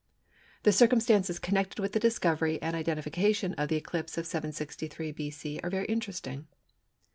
The circumstances connected with the discovery and identification of the eclipse of 763 B.C. are very interesting.